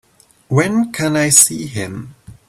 When can I see him?